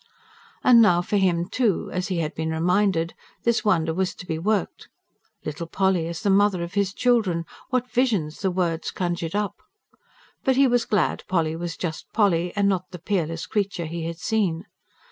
And now for him, too, as he had been reminded, this wonder was to be worked. Little Polly as the mother of his children what visions the words conjured up! But he was glad Polly was just Polly, and not the peerless creature he had seen.